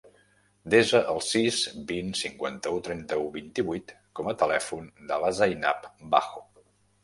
Desa el sis, vint, cinquanta-u, trenta-u, vint-i-vuit com a telèfon de la Zainab Bajo.